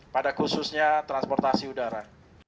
pada khususnya transportasi udara